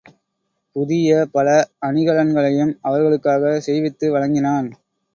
புதிய பல அணிகலன்களையும் அவர்களுக்காகச் செய்வித்து வழங்கினான்.